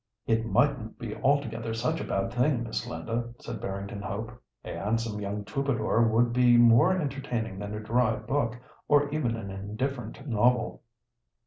"It mightn't be altogether such a bad thing, Miss Linda," said Barrington Hope. "A handsome young troubadour would be more entertaining than a dry book, or even an indifferent novel."